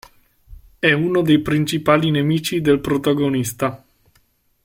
È uno dei principali nemici del protagonista.